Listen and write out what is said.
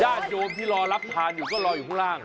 ญาติโยมที่รอรับทานอยู่ก็รออยู่ข้างล่าง